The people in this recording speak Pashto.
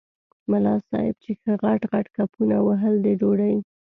ملا صاحب چې ښه غټ غټ کپونه وهل د ډوډۍ.